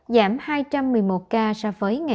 giảm hai trăm một mươi một ca